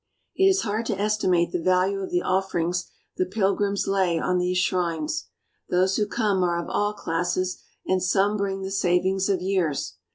It is hard to estimate the value of the offerings the pilgrims lay on these shrines. Those who come are of all classes, and some bring the savings of years.